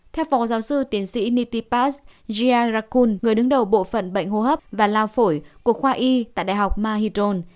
theo phó giáo sư tiến sĩ nitipas jayarakul người đứng đầu bộ phận bệnh hô hấp và lao phổi của khoa y tại đại học mahidol